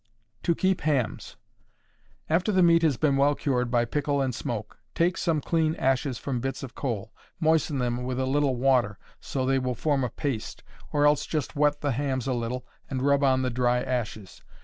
To Keep Hams. After the meat has been well cured by pickle and smoke, take some clean ashes from bits of coal; moisten them with a little water so that they will form a paste, or else just wet the hams a little, and rub on the dry ashes.